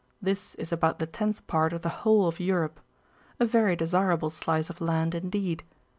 This is about the tenth part of the whole of Europe. A very desirable slice of land indeed.